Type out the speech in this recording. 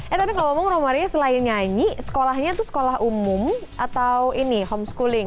eh tapi ngomong ngomong romarinya selain nyanyi sekolahnya tuh sekolah umum atau ini homeschooling